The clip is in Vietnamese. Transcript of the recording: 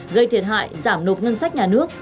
gây thiệt hại giảm nộp ngân sách nhà nước